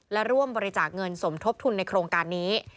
และร่วมบริจาคเงินสมทบทุนในโครงการนี้